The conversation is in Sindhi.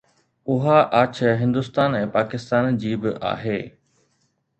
اها آڇ هندستان ۽ پاڪستان جي به آهي